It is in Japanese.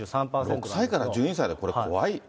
６歳から１２歳でこれ、怖いですね。